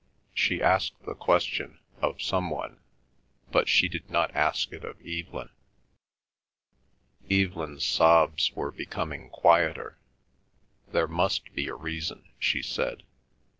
She asked the question of some one, but she did not ask it of Evelyn. Evelyn's sobs were becoming quieter. "There must be a reason," she said.